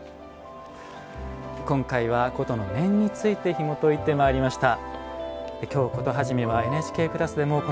今回は「古都の面」についてひもといてまいりました。